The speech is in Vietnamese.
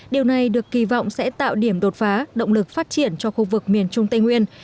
điều này được kỳ vọng sẽ tạo điểm đột phá động lực phát triển cho khu vực miền trung tây nguyên